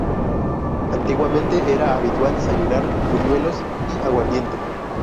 Antiguamente era habitual desayunar buñuelos y aguardiente.